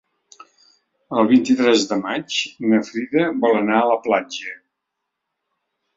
El vint-i-tres de maig na Frida vol anar a la platja.